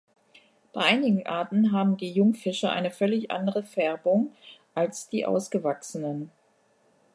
Bei einigen Arten haben die Jungfische eine völlig andere Färbung als die Ausgewachsenen.